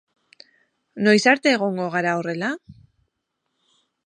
Noiz arte egongo gara horrela?